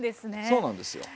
そうなんですよ。